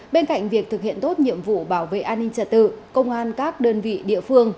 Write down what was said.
bên cạnh việc thực hiện tốt nhiệm vụ bảo vệ an ninh trả tự công an các đơn vị địa phương